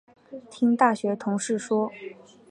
听大学同事说